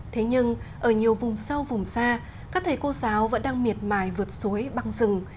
thế nhưng ở nhiều vùng sâu vùng xa các thầy cô giáo vẫn đang miệt mài vượt suối băng rừng